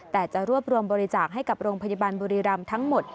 แต่จะรวบรวมบริจาคให้กับโรงพยาบาลบุรีรำทั้งหมด